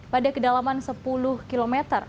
pada kedalaman sepuluh km